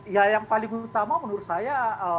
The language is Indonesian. ya yang paling utama menurut saya